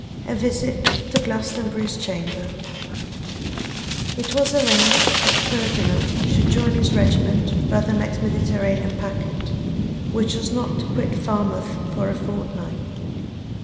A Visit to Glastonbury's Chamber. IT WAS arranged that Ferdinand should join his regiment by the next Mediterranean packet, which was not to quit Falmouth for a fortnight.